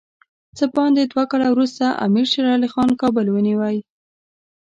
څه باندې دوه کاله وروسته امیر شېر علي خان کابل ونیوی.